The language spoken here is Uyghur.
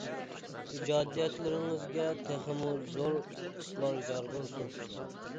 ئىجادىيەتلىرىڭىزگە تېخىمۇ زور ئۇتۇقلار يار بولسۇن!